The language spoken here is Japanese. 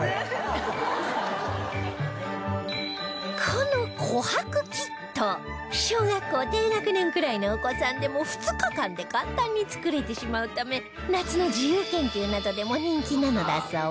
この琥珀キット小学校低学年くらいのお子さんでも２日間で簡単に作れてしまうため夏の自由研究などでも人気なのだそう